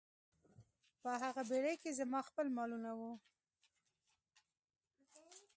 په هغه بیړۍ کې زما خپل مالونه وو.